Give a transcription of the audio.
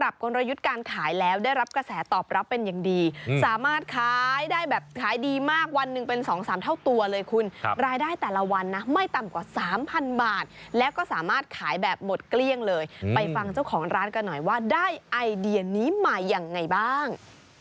๓๐๐๐บาทแล้วก็สามารถขายแบบหมดเกลี้ยงเลยไปฟังเจ้าของร้านกันหน่อยว่าได้ไอเดียนีมาอย่างไงบ้าง